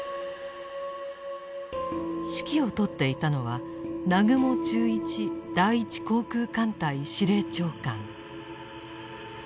指揮を執っていたのは南雲忠一第一航空艦隊司令長官。